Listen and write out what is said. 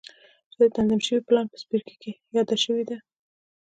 چې د تنظيم شوي پلان په څپرکي کې يادې شوې دي.